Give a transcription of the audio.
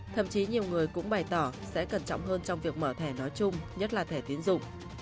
thậm chí nhiều người cũng bày tỏ sẽ cẩn trọng hơn trong việc mở thẻ nói chung nhất là thẻ tiến dụng